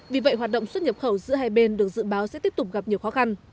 vì vậy hoạt động xuất nhập khẩu giữa hai bên được dự báo sẽ tiếp tục gặp nhiều khó khăn